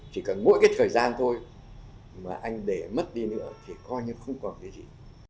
chỉ cần mỗi cái thời gian thôi mà anh để mất đi nữa thì coi như không còn cái gì